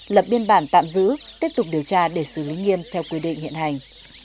lập biên bản tạm giữ tiếp tục điều tra để xử lý nghiêm theo quy định hiện hành